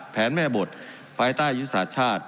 แผนแม่บทภายใต้ยุทธศาสตร์ชาติ